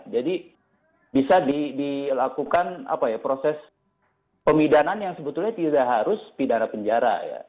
jadi bisa dilakukan proses pemidanan yang sebetulnya tidak harus pidana penjara ya